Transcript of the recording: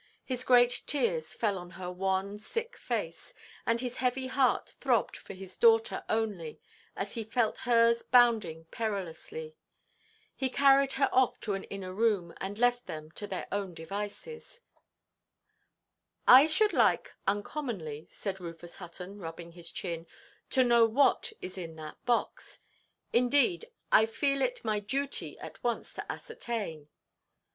His great tears fell on her wan, sick face; and his heavy heart throbbed for his daughter only, as he felt hers bounding perilously. He carried her off to an inner room, and left them to their own devices. "I should like uncommonly," said Rufus Hutton, rubbing his chin, "to know what is in that box. Indeed, I feel it my duty at once to ascertain."